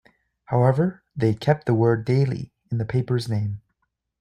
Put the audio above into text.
However, they kept the word "Daily" in the paper's name.